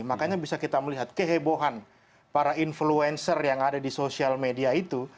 makanya bisa kita melihat kehebohan para influencer yang ada di sosial media itu